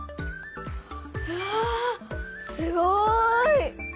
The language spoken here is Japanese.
うわすごい！